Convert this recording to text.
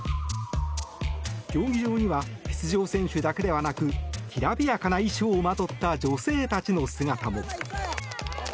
競技場には出場選手だけではなくきらびやかな衣装をまとった女性たちの姿も。